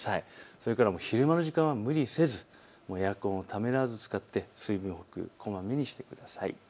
それから昼間の時間は無理せず、エアコンをためらわず使って水分補給、こまめにしてください。